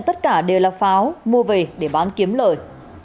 tất cả đều là pháo mua về để bán kiếm lời